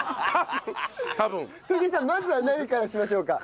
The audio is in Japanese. トシ江さんまずは何からしましょうか？